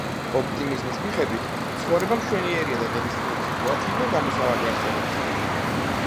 ოპტიმიზმის მიხედვით, ცხოვრება მშვენიერია და ნებისმიერი სიტუაციიდან გამოსავალი არსებობს.